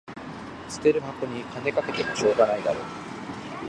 捨てる箱に金かけてもしょうがないだろ